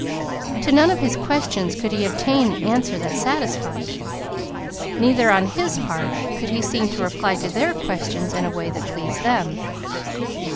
To none of his questions could he obtain an answer that satisfied. Neither, on his part, could he seem to reply to their questions in a way that pleased them.